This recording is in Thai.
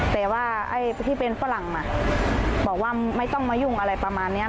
แต่ว่าไอ้ที่เป็นฝรั่งบอกว่าไม่ต้องมายุ่งอะไรประมาณนี้